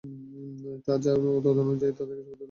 তারা যা করে তদনুযায়ীই তাদেরকে প্রতিফল দেয়া হবে।